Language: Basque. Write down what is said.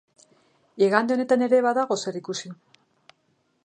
Igande honetan ere badago zer ikusi.